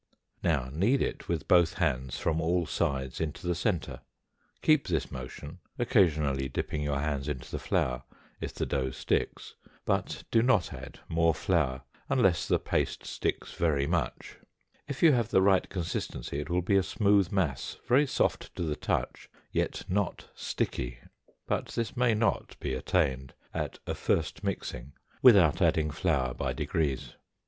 Now knead it with both hands from all sides into the center; keep this motion, occasionally dipping your hands into the flour if the dough sticks, but do not add more flour unless the paste sticks very much; if you have the right consistency it will be a smooth mass, very soft to the touch, yet not sticky, but this may not be attained at a first mixing without adding flour by degrees.